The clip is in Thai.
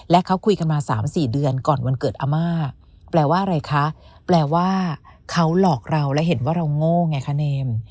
และเขาคุยกันมา๓๔เดือนก่อนวันเกิดอาม่าแปลว่าอะไรคะแปลว่าเขาหลอกเราและเห็นว่าเราโง่ไงคะเนม